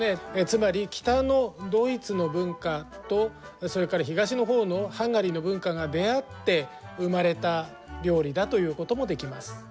つまり北のドイツの文化とそれから東のほうのハンガリーの文化が出会って生まれた料理だということもできます。